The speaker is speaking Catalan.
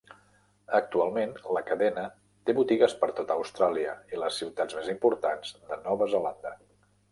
Actualment la cadena té botigues per tot Austràlia i a les ciutats més importants de Nova Zelanda.